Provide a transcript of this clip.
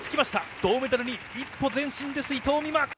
銅メダルに一歩前進です、伊藤美誠。